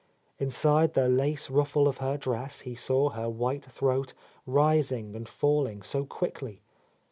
Inside the lace ruffle of her dress he saw her white throat rising and falling so quickly.